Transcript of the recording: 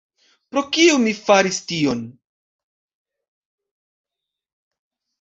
Pro kio mi faris tion?